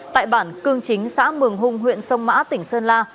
tại bản cương chính xã mường hùng huyện sông mã tỉnh sơn la